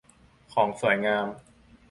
ของสวยงาม